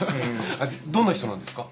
でどんな人なんですか？